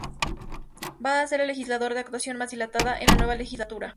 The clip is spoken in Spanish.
Va a ser el legislador de actuación más dilatada en la nueva legislatura.